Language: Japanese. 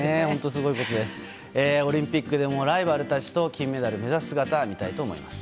オリンピックでもライバルたちと金メダルを目指す姿を見たいと思います。